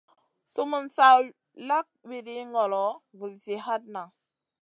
Sumun sa lak wiɗi ŋolo, vulzi hatna.